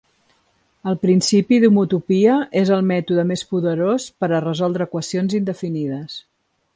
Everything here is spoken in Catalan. El principi de homotopia és el mètode més poderós per a resoldre equacions indefinides.